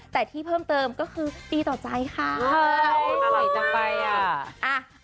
แต่ที่เพิ่มเติมก็คือดีต่อใจค่ะอร่อยจังไปอ่ะ